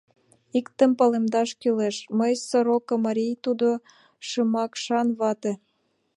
Иктым палемдаш кӱлеш: мый — сорока марий, тудо — шымакшан вате.